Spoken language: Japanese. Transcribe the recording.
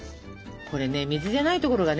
これね水じゃないところがね。